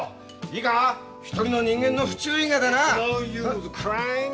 いいか一人の人間の不注意がだな。